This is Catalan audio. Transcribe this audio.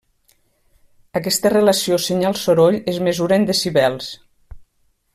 Aquesta relació senyal-soroll es mesura en decibels.